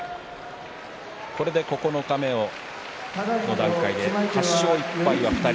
これで九日目の段階で８勝１敗が２人。